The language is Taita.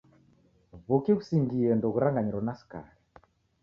W'uki ghusingie ndoghuranganyiro na skari.